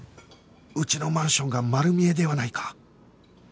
うちのマンションが丸見えではないか！